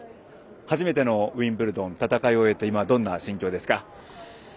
初めてのウィンブルドン戦い終えて今、どんな心境ですか？